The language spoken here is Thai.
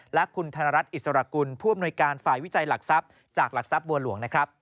และคุณธนรัฐอิสรกุลผู้อำนวยการฝ่ายวิจัยหลักทรัพย์จากหลักทรัพย์บัวหลวงนะครับ